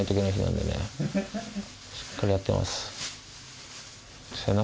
しっかりやってます。